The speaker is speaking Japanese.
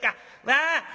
わあ！」。